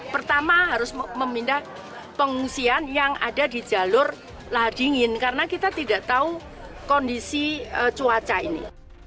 pertama harus memindah pengungsian yang ada di jalur lahar dingin karena kita tidak tahu kondisi cuaca ini